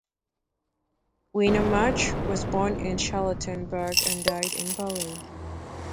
Werner March was born in Charlottenburg and died in Berlin.